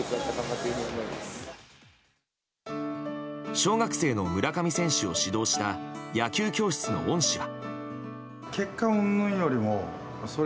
小学生の村上選手を指導した野球教室の恩師は。